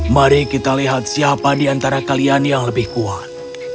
mari kita lihat siapa di antara kalian yang lebih kuat